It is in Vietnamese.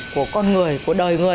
của con người của đời người